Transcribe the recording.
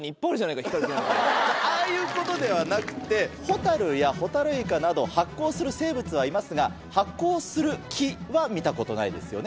ああいうことではなくてホタルやホタルイカなど発光する生物はいますが発光する木は見たことないですよね。